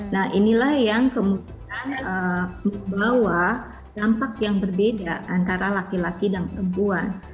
nah inilah yang kemudian membawa dampak yang berbeda antara laki laki dan perempuan